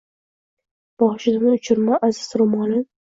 Boshidan uchirma aziz rumolin